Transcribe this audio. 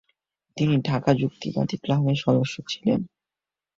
তিনি ঢাকা যুক্তিবাদী ক্লাবের সদস্য ছিলেন।